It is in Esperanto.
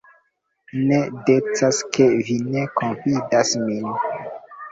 Ne decas, ke vi ne konfidas min.